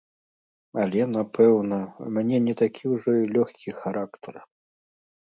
Але, напэўна, у мяне не такі ўжо і лёгкі характар.